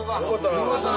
よかったな。